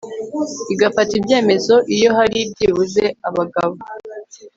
igafata ibyemezo iyo hari byibuze abagbo